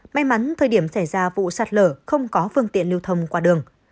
may mắn thời điểm xảy ra vụ sạt lở không có phương tiện lưu thông qua đường